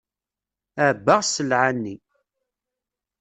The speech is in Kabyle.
Ɛebbaɣ sselɛa-nni.